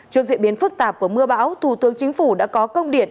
trước diễn biến phức tạp của mưa bão thủ tướng chính phủ đã có công điện